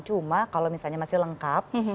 cuma kalau misalnya masih lengkap